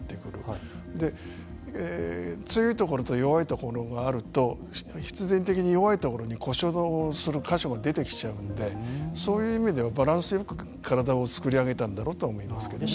で強いところと弱いところがあると必然的に弱いところに故障する箇所が出てきちゃうんでそういう意味ではバランスよく体を作り上げたんだろうと思いますけどね。